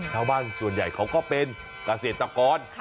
ชาวบ้านส่วนใหญ่เขาก็เป็นเกษตรกร